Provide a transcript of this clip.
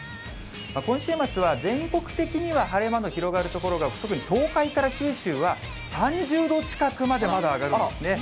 今週末は全国的には晴れ間の広がる所が、特に東海から九州は、３０度近くまでまだ上がるんですね。